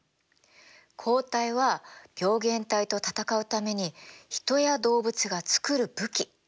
抗体は病原体と闘うために人や動物が作る武器。